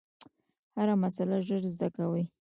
هره مسئله ژر زده کوي.